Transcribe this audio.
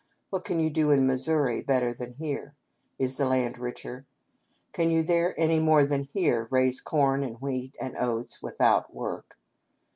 What can you do in Missouri better than here .' Is the land richer ? Can you there, any more than here, raise corn and wheat and oats without work